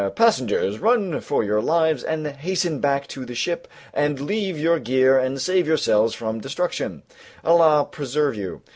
passengers, run for your lives and hasten back to the ship and leave your gear and save yourselves from destruction, Allah preserve you!